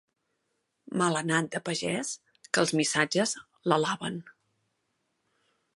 Malanat de pagès que els missatges l'alaben.